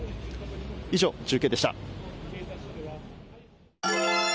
以上、中継でした。